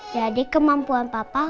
jadi kemampuan papa